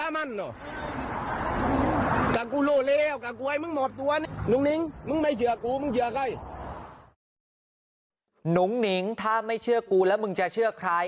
หงิงถ้าไม่เชื่อกูแล้วมึงจะเชื่อใคร